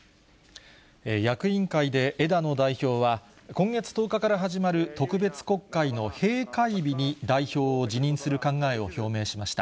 役員会で枝野代表は、今月１０日から始まる特別国会の閉会日に代表を辞任する考えを表明しました。